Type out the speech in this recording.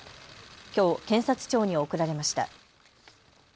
きょう検察庁に送られました。